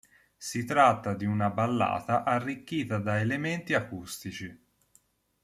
Si tratta di una ballata arricchita da elementi acustici.